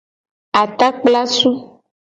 Atakplasu.